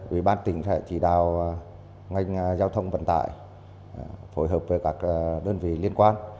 ubnd sẽ chỉ đạo ngành giao thông vận tải phối hợp với các đơn vị liên quan